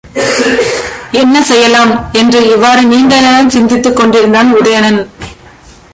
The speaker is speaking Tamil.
என்ன செய்யலாம்? என்று இவ்வாறு நீண்ட நேரம் சிந்தித்துக் கொண்டிருந்தான் உதயணன்.